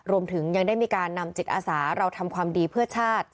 รวมถึงยังได้มีการนำจิตอาสาเราทำความดีเพื่อชาติ